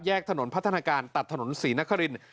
ถนนพัฒนาการตัดถนนศรีนคริน